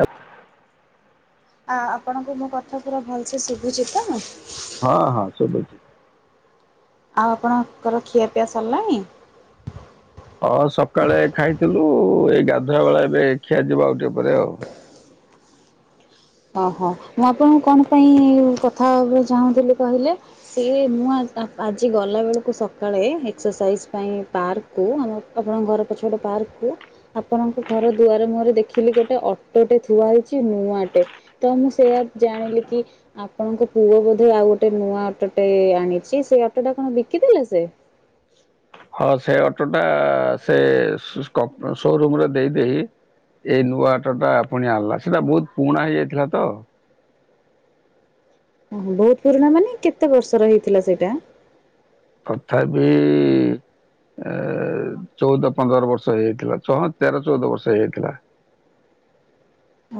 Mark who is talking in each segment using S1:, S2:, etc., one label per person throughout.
S1: ଆ।
S2: ଆ ଆପଣଙ୍କୁ ମୋ କଥା ପୁରା ଭଲସେ ଶୁଭୁଛି ତ?
S1: ହଁ ହଁ ଶୁଭୁଛି।
S2: ଆଉ ଆପଣଙ୍କର ଖିଆପିଆ ସରିଲାଣି?
S1: ହଁ ସକାଳେ ଖାଇଥିଲୁ ଏଇ ଗାଧୁଆ ବେଳା ଏବେ ଖିଆ ଯିବ ଆଉ ଟିକେ ପରେ ଆଉ।
S2: ଓହୋ ମୁଁ ଆପଣଙ୍କୁ କଣ ପାଇଁ କଥା ଚାହୁଁଥିଲି କହିଲେ? ସେ ମୁଁ ଆଜି ଗଲାବେଳକୁ ସକାଳେ ଏକ୍ସରସାଇଜ୍ ପାଇଁ ପାର୍କ କୁ ଆମେ ଆପଣଙ୍କ ଘର ପଛ ଗୋଟେ ପାର୍କକୁ। ଆପଣଙ୍କ ଘର ଦୁଆରେ ମୁହଁରେ ଦେଖିଲି ଗୋଟେ ଅଟୋଟେ ଥୁଆ ହେଇଛି ନୂଆଟେ। ତ ମୁଁ ସେଇଆ ଜାଣିଲି କି? ଆପଣଙ୍କ ପୁଅ ବୋଧେ ଆଉ ଗୋଟେ ନୂଆ ଅଟୋଟେ ଆଣିଛି ସେଇ ଅଟୋଟା କଣ ବିକିଦେଲେ ସେ?
S1: ହଁ ସେ ଅଟୋଟା ସେ ସୋରୁମରେ ଦେଇଦେଇ ଏଇ ନୂଆ ଅଟୋଟା ପୁଣି ଆଣିଲା ସେଟା ବହୁତ ପୁଣା ହେଇଯାଇଥିଲା ତ।
S2: ଓହୋ ବହୁତ ପୁରୁଣା ମାନେ କେତେ ବର୍ଷର ହେଇଥିଲା ସେଇଟା?
S1: ତଥାପି ଏ ଚଉଦ ପନ୍ଦର ବର୍ଷ ହେଇଥିଲା ତେର ଚଉଦ ବର୍ଷ ହେଇଥିଲା।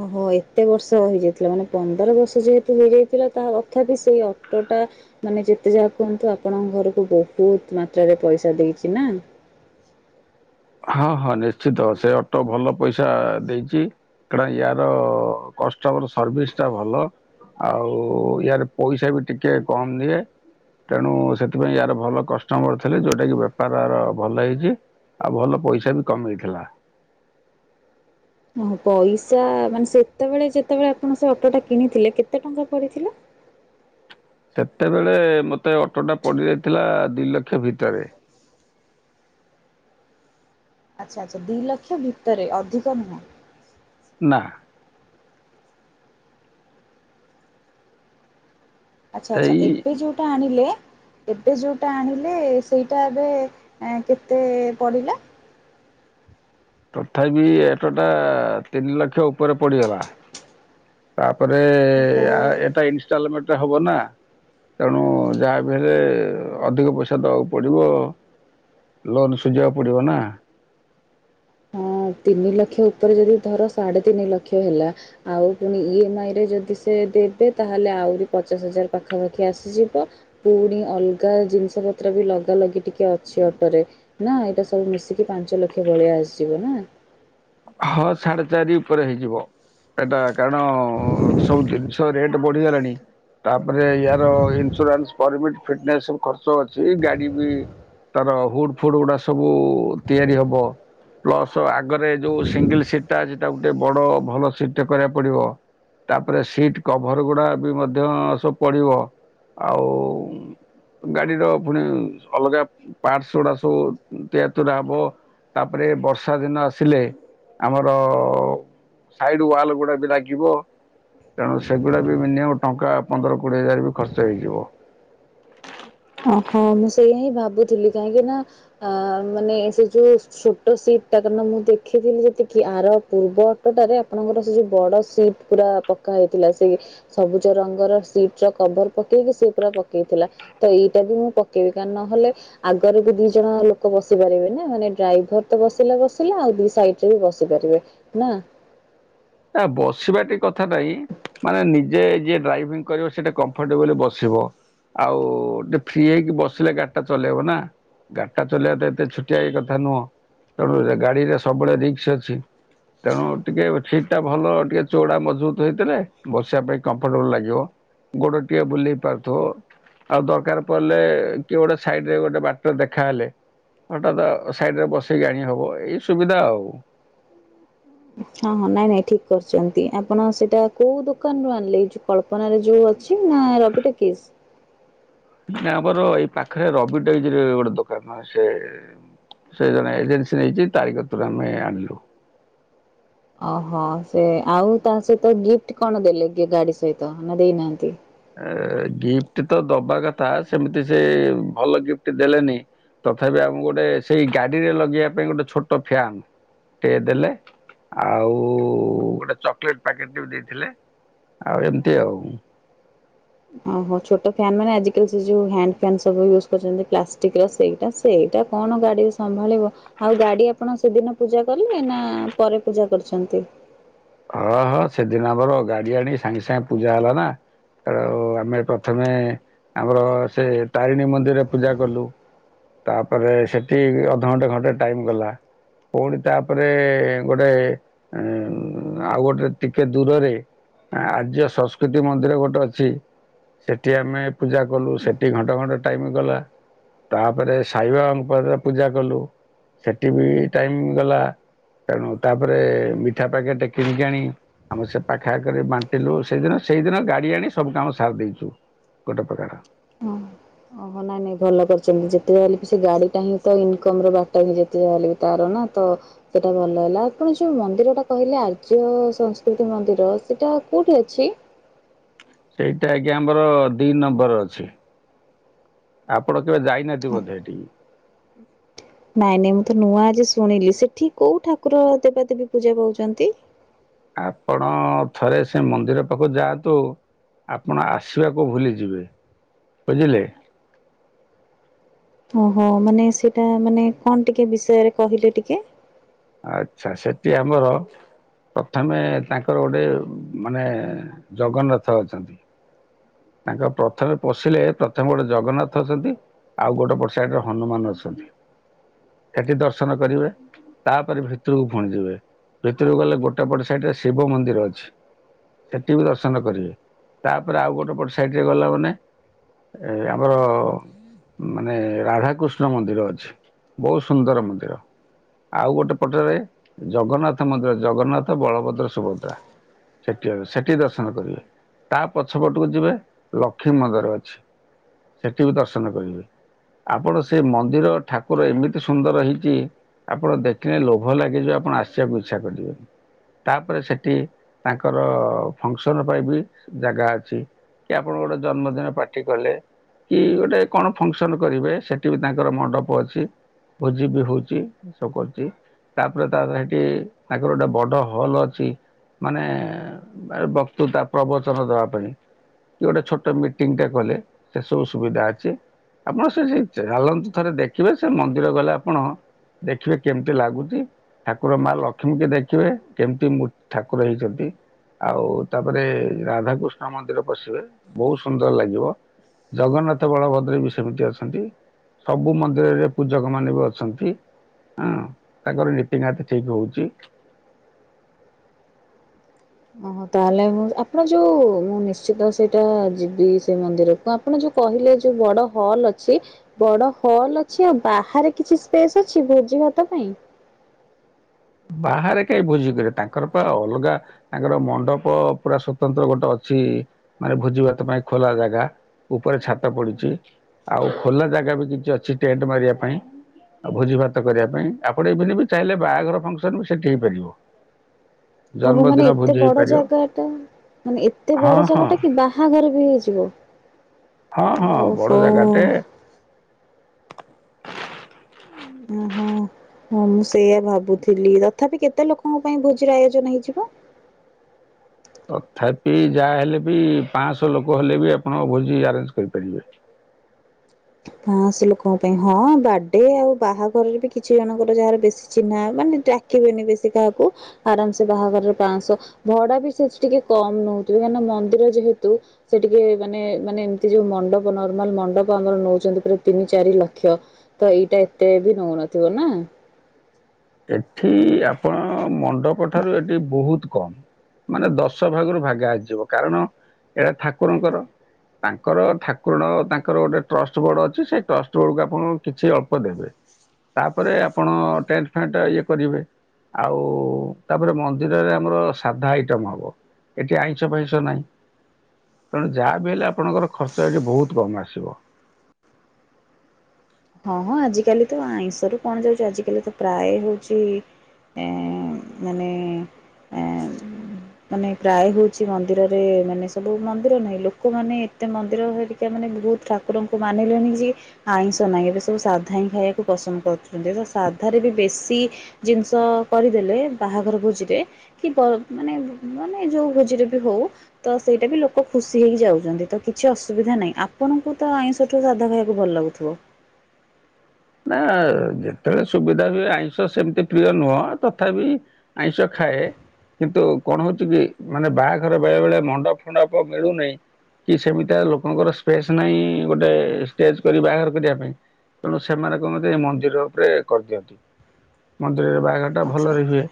S2: ଓହୋ ଏତେ ବର୍ଷ ହେଇଯାଇଥିଲା ମାନେ ପନ୍ଦର ବର୍ଷ ଯେହେତୁ ହେଇଯାଇଥିଲା ତା କଥାପି ସେଇ ଅଟୋଟା ମାନେ ଯେତେ ଯାହା କୁହନ୍ତୁ ଆପଣଙ୍କ ଘରକୁ ବହୁତ ମାତ୍ରାରେ ପଇସା ଦେଇଛି ନା।
S1: ହଁ ହଁ ନିଶ୍ଚିତ ସେ ଅଟୋ ଭଲ ପଇସା ଦେଇଛି। କଣ ୟାର କଷ୍ଟମର ସର୍ଭିସ ଟା ଭଲ। ଆଉ ୟାର ପଇସା ବି ଟିକେ କମ ଦିଏ। ତେଣୁ ସେଥିପାଇଁ ୟାର ଭଲ କଷ୍ଟମର ଥିଲେ ଯୋଉଟାକି ବେପାର ଭଲ ହେଇଛି। ଆଉ ଭଲ ପଇସା ବି କମେଇଥିଲା।
S2: ହ ପଇସା ମାନେ ସେତେବେଳେ ଯେତେବେଳେ ଆପଣ ସେ ଅଟୋଟା କିଣିଥିଲେ କେତେ ଟଙ୍କା ପଡିଥିଲା?
S1: ସେତେବେଳେ ମତେ ଅଟୋଟା ପଡିଯାଇଥିଲା ଦି ଲକ୍ଷ ଭିତରେ।
S2: ଆଚ୍ଛା ଆଚ୍ଛା ଦିଇ ଲକ୍ଷ ଭିତରେ ଅଧିକ ନୁହେଁ।
S1: ନା।
S2: ଆଚ୍ଛା ଆଚ୍ଛା
S1: ସେଇ
S2: ଏବେ ଯୋଉଟା ଆଣିଲେ ଏବେ ଯୋଉଟା ଆଣିଲେ ସେଇଟା ଏବେ କେତେ ପଡ଼ିଲା?
S1: ତଥାପି ଏଟୋଟା ତିନି ଲକ୍ଷ ଉପରେ ପଡିଗଲା। ତାପରେ
S2: ଓହୋ
S1: ଏଟା ଇନଷ୍ଟଲମେଣ୍ଟ ହବ ନା? ତେଣୁ ଯାହା ବିି ହେଲେ ଅଧିକ ପଇସା ଦେବାକୁ ପଡ଼ିବ। ଲୋନ୍ ସୁଝିବାକୁ ପଡିବ ନା।
S2: ହଁ ତିନି ଲକ୍ଷ ଉପରେ ଯଦି ଧର ସାଢେ ତିନି ଲକ୍ଷ ହେଲା। ଆଉ ପୁଣି ଇଏ ମାଇରେ ଯଦି ସେ ଦେବେ ତାହେଲେ ଆହୁରି ପଚାଶ ହଜାର ପାଖାପାଖି ଆସିଯିବ। ପୁଣି ଅଲଗା ଜିନିଷ ପତ୍ର ବି ଲଗା ଲଗି ଟିକେ ଅଛି ଅଟୋରେ। ନା ଏଇଟା ସବୁ ମିଶିକି ପାଞ୍ଚ ଲକ୍ଷ ଭଳିଆ ଆସିଯିବ ନା।
S1: ହଁ ସାଢେ ଚାରି ଉପରେ ହେଇଯିବ ଏଟା କାରଣ ସବୁ ଜିନିଷ ରେଟ ବଢିଗଲାଣି। ତାପରେ ଆର ଇନ୍ସୁରାନ୍ସମିଟ ଫିଟନସ ଖର୍ଚ୍ଚ ଅଛି ଗାଡି ବି ତାର ହୁଡ ଫୁଡ ଗୁଡା ସବୁ ତିଆରି ହବ ପ୍ଲସ ଆଗରେ ଯୋଉ ସିଙ୍ଗଲ ସିଟ୍ ଟା ସେଟା ଗୋଟେ ବଡ ଭଲ ସିଟ୍ କରିବାକୁ ପଡିବ। ତାପରେ ସିଟ୍ କଭର ଗୁଡା ବି ମଧ୍ୟ ସବୁ ପଡିବ ଆଉ। ଗାଡିର ପୁଣି ଅଲଗା ପାର୍ଟସ ଗୁଡା ସବୁ ତିଆରି ରା ହବ ତାପରେ ବର୍ଷା ଦିନ ଆସିଲେ ଆମର ସାଇଡ ୱାଲ ଗୁଡା ବି ଲାଗିବ। ତେଣୁ ସେଗୁଡ଼ା ବି ମିନିମମ୍ ଟଙ୍କା ପନ୍ଦର କୋଡ଼ିଏ ହଜାର ବି ଖର୍ଚ୍ଚ ହେଇଯିବ।
S2: ଓହୋ ମୁଁ ସେଇଆ ହିଁ ଭାବୁଥିଲି କାହିଁକି ନା ଅ ମାନେ ସେ ଯୋଉ ଛୋଟ ସିଟ୍ଟା କାରଣ ମୁଁ ଦେଖିଥିଲି ଯେତିକି ଆର ପୂର୍ବ ଅଟୋଟାରେ ଆପଣଙ୍କର ସେ ଯେଉଁ ବଡ଼ ସିଟ୍ ପୁରା ପକ୍କା ହେଇଥିଲା ସେ ବି ସବୁଜ ରଙ୍ଗର ସିଟ ର କଭର ପକେଇକି ସେ ପୁରା ପକେଇଥିଲା। ତ ଏଇଟା ବି ମୁଁ ପକେଇବି କାଣ ନହେଲେ ଆଗରେ ବି ଦି ଜଣ ଲୋକ ବସି ପାରିବେ ନା ମାନେ ଡ୍ରାଇଭର ତ ବସିଲା ବସିଲା ଆଉ ଦି ସାଇଡ ରେ ବି ବସି ପାରିବେ। ନା
S1: ନା ବସିବା ଟି କଥା ନାଇଁ। ମାନେ ନିଜେ ଯିଏ ଡ୍ରାଇଭିଂ କରିବ ସେଇଟା କମ୍ଫର୍ଟେବଲି ବସିବ। ଆଉ ଗୋଟେ ଫ୍ରି ହେଇକି ବସିଲେ ଗାଡି ଟା ଚଲେଇବ ନା। ଗାଡିଟା ଚଲେଇବା ତ ଏତେ ଛୁଟିଆଇ କଥା ନୁହଁ ତେଣୁ ଗାଡିରେ ସବୁବେଳେ ରିକ୍ସ ଅଛି। ତେଣୁ ଟିକେ ଠ ଟା ଭଲ ଟିକେ ଚୋଡା ମଜବୁତ ହେଇଥିଲେ ବସିବା ପାଇଁ କମ୍ଫର୍ଟେବଲ ଲାଗିବ। ଗୋଡଟିଏ ବୁଲେଇ ପାରୁଥିବ। ଆଉ ଦରକାର ପଡ଼ିଲେ କି ଗୋଟେ ସାଇଡ ରେ ଗୋଟେ ବାଟର ଦେଖାହଲେ ହଠାତ୍ ସାଇଡ ରେ ବସେଇକି ଆଣି ହବ ଏଇ ସୁବିଧା ଆଉ
S2: ହଁ ହଁ ନାଇଁ ନାଇଁ ଠିକ କରିୁଛନ୍ତି। ଆପଣ ସେଇଟା କୋଉ ଦୋକାନୁ ରୁ ଆଣିଲେ ଏଇ ଯୋଉ କଳ? ନରେ ଯୋଉ ଅଛି ନା ରବି ଟକିସ୍
S1: ଆମର ଏଇ ପାଖରେ ରବିଟକିଜ୍ ରେ ଗୋଟେ ଦୋକାନ ସେ ସେ ଜଣେ ଏଜେନ୍ସି ନେଇଛି ତାରିଖତରେ ଆମେ ଆଣିଲୁ।
S2: ଓହୋ ସେ ଆଉ ତା ସହିତ ଗିଫ୍ଟ କଣ ଦେଲେ କିଏ ଗାଡି ସହିତ ନା ଦେଇନାହାନ୍ତି।
S1: ଗିଫ୍ଟ ତ ଦବା କଥା, ସେମିତି ସେ ଭଲ ଗିଫ୍ଟ ଦେଲେନି। ତଥାପି ଆମକୁ ଗୋଟେ ସେଇ ଗାଡିରେ ଲଗେଇବା ପାଇଁ ଗୋଟେ ଛୋଟ ଫ୍ୟାନ ଟେ ଦେଲେ ଆଉ ଗୋଟେ ଚକଲେଟ ପ୍ୟାକେଟ ବି ଦେଇଥିଲେ ଆଉ ଏମିତି ଆଉ
S2: ଓହୋ ଛୋଟ ଫ୍ୟାାନ ମାନେ ଆଜିକାଲି ସେ ଯୋଉ ହ୍ୟାଣ୍ଡ ଫ ସବୁ ୟୁଜ କରିଛନ୍ତି ପ୍ଲାଷ୍ଟିକ ର ସେଇଟା ସେଇଟା କଣ ଗାଡ଼ି ସମ୍ଭାଳିବ? ଆଉ ଗାଡି ଆପଣ ସେଦିନ ପୂଜା କଲେ ନା ପରେ ପୂଜା କରୁଛନ୍ତି।
S1: ହଁ ହଁ ସେଦିନ ଆମର ଗାଡି ଆଣି ସାଙ୍ଗେ ସାଙ୍ଗେ ପୂଜା ହେଲା ନା। ଉ ଆମେ ପ୍ରଥମେ ଆମର ସେ ତାରିଣୀ ମନ୍ଦିରରେ ପୂଜା କଲୁ। ତାପରେ ସେଠି ଅଧଘଣ୍ଟେ ଘଣ୍ଟେ ଟାଇମ ଗଲା। ପୁଣି ତାପରେ ଗୋଟେ ଉ ଆଉ ଗୋଟେ ଟିକେ ଦୂରରେ ଆର୍ଯ୍ୟ ସଂସ୍କୃତି ମନ୍ଦିର ଗୋଟେ ଅଛି। ସେଠି ଆମେ ପୂଜା କଲୁ ସେଠି ଘଣ୍ଟ ଘଣ୍ଟ ଟାଇମ ଗଲା। ତାପରେ ସାଇବାଙ୍କ ପାରେ ପୂଜା କଲୁ। ସେଠି ବି ଟାଇମ ଗଲା ତେଣୁ ତାପରେ ମିଠା ପ୍ୟାକେଟ କିଣିକିଆଣି ଆମେ ସେ ପାଖାଆଖରେ ବାଣ୍ଟିଲୁ ସେଇଦିନ ସେଇଦିନ ଗାଡି ଆଣି ସବୁ କାମ ସାରି ଦେଇଛୁ। ଗୋଟେ ପ୍ରକାର
S2: ହଁ। ଓହୋ ନାଇଁ ନାଇଁ ଭଲ କରିଛନ୍ତି ଯେତେ ଯା ହେଲେ ବି ସେ ଗାଡ଼ିଟା ହିଁ ତ ଇନକମର ବାଟ ହିଁ ଯେତେ ଯା ହେଲେ ତାର ନା ତ ସେଇଟା ଭଲ ହେଲା। ଆପଣ ଯୋଉ ମନ୍ଦିରଟା କହିଲେ ଆର୍ଯ୍ୟ ସଂସ୍କୃତି ମନ୍ଦିର ସେଇଟା କୋଉଠି ଅଛି?
S1: ସେଇଟା ଆଜ୍ଞା ଆମର ଦି ନମ୍ବର ଅଛି। ଆପଣ କେବେ ଯାଇନାହାନ୍ତି ବୋଧେ ଏଠିକି।
S2: ନାଇଁ ନାଇଁ ମୁଁ ତ ନୂଆ ଆଜି ଶୁଣିଲି। ସେଠି କୋଉ ଠାକୁର ଦେବାଦେବୀ ପୂଜା ପାଉଛନ୍ତି?
S1: ଆପଣ ଥରେ ସେ ମନ୍ଦିର ପାଖକୁ ଯାଆନ୍ତୁ। ଆପଣ ଆସିବାକୁ ଭୁଲି ଯିବେ ବୁଝିଲେ।
S2: ଓହୋ ମାନେ ସେଇଟା ମାନେ କଣ ଟିକେ ବିଷୟରେ କହିଲେ ଟିକେ।
S1: ଆଛା ସେଠି ଆମର ପ୍ରଥମେ ତାଙ୍କର ଗୋଟେ ମାନେ ଜଗନ୍ନାଥ ଅଛନ୍ତି। ତାଙ୍କ ପ୍ରଥମେ ପଶିଲେ ପ୍ରଥମେ ଗୋଟେ ଜଗନ୍ନାଥ ଅଛନ୍ତି। ଆଉ ଗୋଟେ ପଟ ସାଇଡରେ ହନୁମାନ ଅଛନ୍ତି ସେଠି ଦର୍ଶନ କରିବେ। ତାପରେ ଭିତରକୁ ପୁଣି ଯିବେ ଭିତରକୁ ଗଲେ ଗୋଟେ ପଟେ ସାଇଟରେ ଶିବ ମନ୍ଦିର ଅଛି। ସେଠି ବି ଦର୍ଶନ କରିବେ ତାପରେ ଆଉ ଗୋଟେ ପଟେ ସାଇଡ ରେ ଗଲା ମାନେ ଏ ଆମର ମାନେ ରାଧାକୃଷ୍ଣ ମନ୍ଦିର ଅଛି। ବହୁତ ସୁନ୍ଦର ମନ୍ଦିର। ଆଉ ଗୋଟେ ପଟରେ ଜଗନ୍ନାଥ ମନ୍ଦିର ଜଗନ୍ନାଥ ବଳଭଦ୍ର ସୁଭଦ୍ରା। ସେଠି ସେଠି ଦର୍ଶନ କରିବେ ତା ପଛପଟକୁ ଯିବେ ଲକ୍ଷ୍ମୀ ମନ୍ଦିର ଅଛି ସେଠି ବି ଦର୍ଶନ କରିବେ। ଆପଣ ସେ ମନ୍ଦିର ଠାକୁର ଏମିତି ସୁନ୍ଦର ହେଇଛି ଆପଣ ଦେଖିଲେ ଲୋଭ ଲାଗେ ଯିବ ଆପଣ ଆସିବାକୁ ଇଚଛା କରିବେନି। ତାପରେ ସେଠି ତାଙ୍କର ଫଙ୍କସନ୍ ପାଇଁ ବି ଜାଗା ଅଛି। କି ଆପଣ ଗୋଟେ ଜନ୍ମଦିନ ପାର୍ଟି କଲେ। କି ଗୋଟେ କଣ ଫଙ୍କସନ କରିବେ ସେଠି ବି ତାଙ୍କର ମଣ୍ଡପ ଅଛି। ଭୋଜି ବି ହଉଛି ଏ ସବୁ କରୁଛି। ତାପରେ ତାର ସେଇଠି ତାଙ୍କର ଗୋଟେ ବଡ ହଲ ଅଛି। ମାନେ ବକ୍ତୃତା ପ୍ରବଚନ ଦବା ପାଇଁ। କି ଗୋଟେ ଛୋଟ ମିଟିଂ ଟା କଲେ ସେ ସବୁ ସୁବିଧା ଅଛି। ଆପଣ ସେଠି ଚାଲନ୍ତୁ ଥରେ ଦେଖିବେ ସେ ମନ୍ଦିର ଗଲେ ଆପଣ ଦେଖିବେ କେମିତି ଲାଗୁଛି। ଠାକୁର ମା ଲକ୍ଷ୍ମୀ କେ ଦେଖିବେ କେମିତି ମୂ ଠାକୁର ହେଇଛନ୍ତି। ଆଉ ତାପରେ ରାଧାକୃଷ୍ଣ ମନ୍ଦିର ପଶିବେ ବହୁତ ସୁନ୍ଦର ଲାଗିବ। ଜଗନ୍ନାଥ ବଳଭଦ୍ର ବି ସେମିତି ଅଛନ୍ତି। ସବୁ ମନ୍ଦିରରେ ପୂଜକମାନେ ବି ଅଛନ୍ତି। ହଁ ତାଙ୍କର ରିତିନିହାତି ଠିକ ହଉଛି।
S2: ଓହୋ ତାହେଲେ ମୁଁ ଆପଣ ଯୋଉ ମୁଁ ନିଶ୍ଚିତ ସେଇଟା ଯିବି ସେ ମନ୍ଦିରକୁ ଆ ଆପଣ ଯୋଉ କହିଲେ ଯୋଉ ବଡ ହଲ୍ ଅଛି। ବଡ ହଲ୍ ଅଛି ଆଉ ବାହାରେ କିଛି ସ୍ପେସ୍ ଅଛି ଭୋଜି ଭାତ ପାଇଁ।
S1: ବାହାରେ କାହିଁ ଭୋଜି କରିବେ ତାଙ୍କର ପା ଅଲଗା ତାଙ୍କର ମଣ୍ଡପ ପୁରା ସ୍ଵତନ୍ତ୍ର ଗୋଟେ ଅଛି ମାନେ ଭୋଜିଭାତ ପାଇଁ ଖୋଲା ଜାଗା। ଉପରେ ଛାତ ପଡିଛି ଆଉ ଖୋଲା ଜାଗା ବି କିଛି ଅଛି ଟେଣ୍ଟ ମାରିବା ପାଇଁ। ଆଉ ଭୋଜି ଭାତ କରିବା ପାଇଁ ଆପଣ ଏଇବେନି ବି ଚାହିଁଲେ ବାହାଘର ଫଙ୍କସନ ବି ସେଠି ହେଇପାରିବ।
S2: ଓହୋ ମାନେ
S1: ଜନ୍ମଦିନ
S2: ଏତେ
S1: ଭୋଜି
S2: ବଡ
S1: ହେଇପାରିବ
S2: ଜାଗା ଟା ମାନେ ଏତେ
S1: ହଁ
S2: ବଡ
S1: ହଁ
S2: ଜାଗା ଟା କି ବାହାଘର ବି ହେଇଯିବ।
S1: ହଁ ହଁ
S2: ଓହୋ
S1: ବଡ ଜାଗା ଟେ
S2: ଓହୋ ହଁ ମୁଁ ସେଇଆ ଭାବୁଥିଲି ତଥାପି କେତେ ଲୋକଙ୍କ ପାଇଁ ଭୋଜିର ଆୟୋଜନ ହେଇଯିବ।
S1: ତଥାପି ଯାହା ହେଲେ ବି ପାଞ୍ଚଶହ ଲୋକ ହେଲେ ବି ଆପଣ ଭୋଜି ଆରେଞ୍ଜ କରିପାରିବେ।
S2: ପାଶହ ଲୋକଙ୍କ ପାଇଁ ହଁ ବାର୍ଡେ ଆଉ ବାହାଘରରେ ବି କିଛି ଜଣଙ୍କର ଯାହାର ବେଶୀ ଚିହ୍ନା ମାନେ ଟା କିବେନି ବେଶୀ କାହାକୁ ଆରାମସେ ବାହାଘରର ପାଞ୍ଚଶହ ଭଡା ବି ସେଠ ଟିକେ କମ ନଉଥିବେ କାହିଁକିନା ମନ୍ଦିର ଯେହେତୁ ସେ ଟିକେ ମାନେ ମାନେ ଏମତି ଯୋଉ ମଣ୍ଡପ ନର୍ମାଲ ମଣ୍ଡପ ଆମର ନଉ। [unintelligible] ପୁର ତିନି ଚାରି ଲକ୍ଷ ତ ଏଇଟା ଏତେ ବି ନଉନଥିବ ନା।
S1: ଏଠି ଆପଣ ମଣ୍ଡପ ଠାରୁ ଏଠି ବହୁତ କମ୍ ମାନେ ଦଶ ଭାଗରୁ ଭାଗେ ଆସିଯିବ କାରଣ ଏଇଟା ଠାକୁରଙ୍କର। ତାଙ୍କର ଠାକୁରଣ ତାଙ୍କର ଗୋଟେ ଟ୍ରଷ୍ଟ ବୋର୍ଡ ଅଛି ସେ ଟ୍ରଷ୍ଟ ବୋର୍ଡ କୁ ଆପଣ କିଛି ଅଳ୍ପ ଦେବେ। ତାପରେ ଆପଣ ଟେଣ୍ଟ ଫେଣ୍ଟ ଇଏ କରିବେ। ଆଉ ତାପରେ ମନ୍ଦିରରେ ଆମର ସାଧା ଆଇଟମ ହବ। ଏଠି ଆଇଁଷ ଫାଇଁସ ନାହିଁ। ତେଣୁ ଯାହା ବି ହେଲେ ଆପଣଙ୍କର ଖର୍ଚ୍ଚ ଏଠି ବହୁତ କମ୍ ଆସିବ।
S2: ହଁ ହଁ ଆଜି କାଲି ତ ଆଇଁଷରୁ କଣ ଯାଉଛି ଆଜି କାଲି ତ ପ୍ରାୟ ହଉଛି ଏଁ ମାନେ ଏଁ ମାନେ ପ୍ରାୟ ହଉଛି ମନ୍ଦିରରେ ମାନେ ସବୁ ମନ୍ଦିର ନାହିଁ ଲୋକମାନେ ଏତେ ମନ୍ଦିର ହେ କିଏମାନେ ବହୁତ ଠାକୁରଙ୍କୁ ମାନିଲେନି ଯେ ଆଇଁଷ ତ ନାଇଁ ଏବେ ସବୁ ସାଧା ହିଁ ଖାଇଆକୁ ପସନ୍ଦ କରୁଛନ୍ତି ତ ସାଧାରେ ବି ବେଶୀ ଜିନିଷ କରିଦେଲେ ବାହାଘର ଭୋଜିରେ କି ଵ ମାନେ ମାନେ ଯୋଉ ଭୋଜିରେ ବି ହଉ। ତ ସେଇଟା ବି ଲୋକ ଖୁସି ହେଇକି ଯାଉଛନ୍ତି ତ କିଛି ଅସୁବିଧା ନାହିଁ ଆପଣଙ୍କୁ ତ ଆଇଁଷ ଠୁ ସାଧା ଖାଇବାକୁ ଭଲ ଲାଗୁଥିବ?
S1: ନା ଯେତେବେଳେ ସୁବିଧା ହୁଏ ଆଇଁଷ ସେମିତି ପ୍ରିୟ ନୁହଁ। ତଥାପି ଆଇଁଷ ଖାଏ। କିନ୍ତୁ କଣ ହଉଛି କି ମାନେ ବାହାଘର ବେଳେବେଳେ ମଣ୍ଡପ ଫଣ୍ଡପ ମିଳୁନେଇଁ। କି ସେମିତିଆ ଲୋକଙ୍କର ସ୍ପେସ୍ ନାହିଁ ଗୋଟାଏ ଷ୍ଟେଜ କରି ବାହାଘର କରିବା ପାଇଁ ତେଣୁ ସେମାନେ କଣ କରନ୍ତି ମନ୍ଦିର ଉପରେ କରିଦିଅନ୍ତି। ମନ୍ଦିରରେ ବାହାଘର ଟା
S2: ଆଚ୍ଛା
S1: ଭଲରେ ହୁଏ।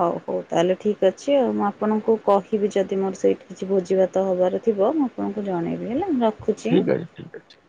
S2: ହଉ ହଉ ତାହେଲେ ଠିକ୍ ଅଛି ଆଉ ମୁଁ ଆପଣଙ୍କୁ କହିବି ଯଦି ମୋର ସେଇଠି କିଛି ଭୋଜିଭାତ ହବାର ଥିବ ମୁଁ ଆପଣଙ୍କୁ ଜଣେଇବି ହେଲା ର
S1: ଠିକ୍ ଅଛି, ଠିକ୍ ଅଛି।